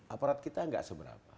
aparat kita enggak seberapa